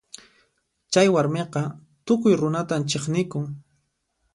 Chay warmiqa tukuy runatan chiqnikun.